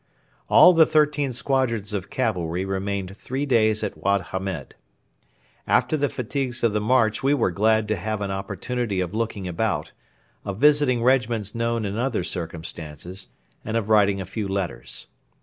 All the thirteen squadrons of cavalry remained three days at Wad Hamed. After the fatigues of the march we were glad to have an opportunity of looking about, of visiting regiments known in other circumstances, and of writing a few letters.